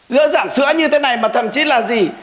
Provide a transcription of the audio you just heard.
giữa dạng sữa như thế này mà thậm chí là gì